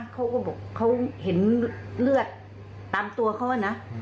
เขาก็บอกเขาเห็นเลือดตามตัวเขานะ